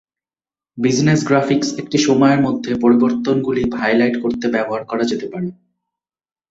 Business graphics একটি সময়ের মধ্যে পরিবর্তনগুলি হাইলাইট করতে ব্যবহার করা যেতে পারে।